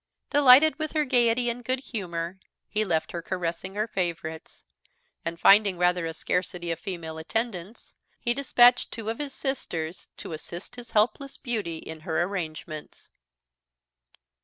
Delighted with her gaiety and good humour, he left her caressing her favourites; and finding rather a scarcity of female attendance, he despatched two of his sisters to assist his helpless beauty in her arrangements.